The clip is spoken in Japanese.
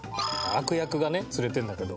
悪役がね連れてるんだけど。